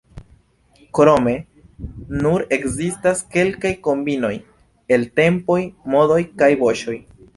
Krome nur ekzistas kelkaj kombinoj el tempoj, modoj kaj voĉoj.